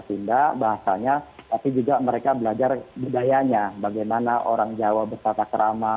sunda bahasanya tapi juga mereka belajar budayanya bagaimana orang jawa berstatakrama